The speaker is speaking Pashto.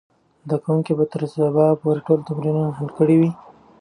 زده کوونکي به تر سبا پورې ټول تمرینونه حل کړي وي.